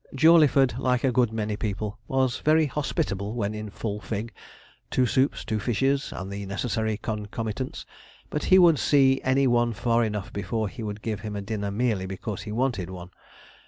Jawleyford, like a good many people, was very hospitable when in full fig two soups, two fishes, and the necessary concomitants; but he would see any one far enough before he would give him a dinner merely because he wanted one.